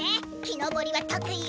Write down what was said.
木のぼりはとくいよ